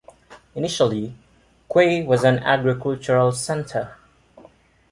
Initially, Quay was an agricultural center.